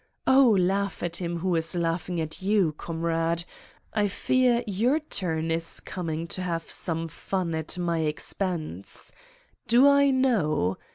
Oh, laugh at him who is laughing at you, comrade. I fear your turn is coming to have some fun at my expense. Do I know?